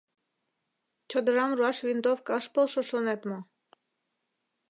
— Чодырам руаш винтовка ыш полшо шонет мо?..